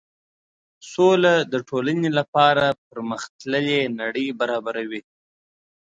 سوله د ټولنې لپاره پرمخ تللې نړۍ برابروي.